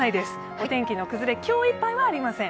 お天気の崩れ、今日いっぱいはありません。